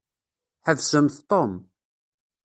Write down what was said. Ḥbsemt Tom.